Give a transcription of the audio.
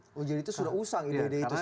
oh jadi itu sudah usang ide ide itu sebenarnya